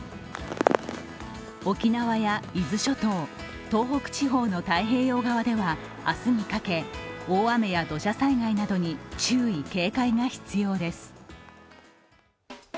沖縄や伊豆諸島、東北地方の太平洋側では明日にかけ、大雨や土砂災害などに注意、警戒が必要です。